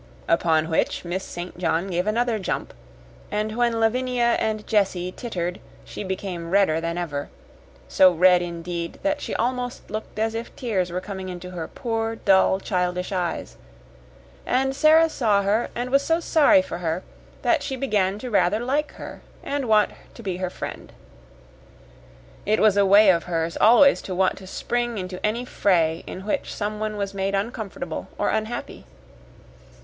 Upon which Miss St. John gave another jump, and when Lavinia and Jessie tittered she became redder than ever so red, indeed, that she almost looked as if tears were coming into her poor, dull, childish eyes; and Sara saw her and was so sorry for her that she began rather to like her and want to be her friend. It was a way of hers always to want to spring into any fray in which someone was made uncomfortable or unhappy.